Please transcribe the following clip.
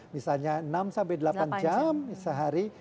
misalnya enam sampai delapan jam sehari